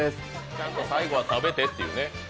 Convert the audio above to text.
ちゃんと最後は食べてっていうね。